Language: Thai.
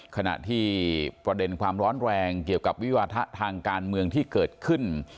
ขณะที่ประเด็นความร้อนแรงเกี่ยวกับวิวาทะทางการเมืองที่เกิดขึ้น